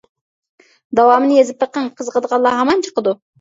داۋامىنى يېزىپ بېقىڭ، قىزىقىدىغانلار ھامان چىقىدۇ.